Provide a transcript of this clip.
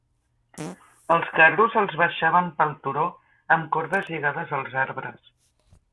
Els carros els baixaven pel turó amb cordes lligades als arbres.